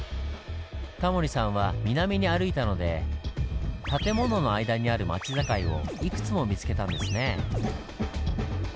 タモリさんは南に歩いたので建物の間にある町境をいくつも見つけたんですね。